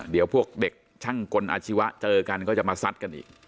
เดี๋ยวพวกเด็กช่างกลอาชีวะเจอกันก็จะมาซัดกันอีก